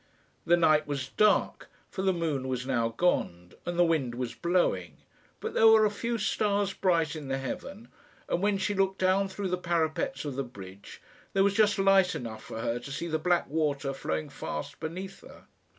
The night was dark, for the moon was now gone and the wind was blowing; but there were a few stars bright in the heaven, and when she looked down through the parapets of the bridge, there was just light enough for her to see the black water flowing fast beneath her.